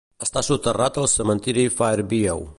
Està soterrat al cementiri Fairview.